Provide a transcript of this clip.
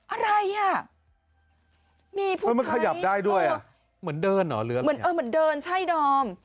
อะไรมันขยับได้ด้วยเหมือนเดินเหรอเหมือนเดินใช่ดอม